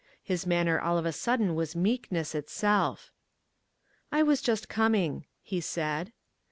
His manner all of a sudden was meekness itself. "I was just coming," he said.